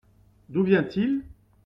D’où vient-il ?